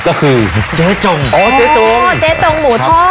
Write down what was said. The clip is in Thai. ก็คือเจ๊จงอ๋อเจ๊จงอ๋อเจ๊จงหมูทอด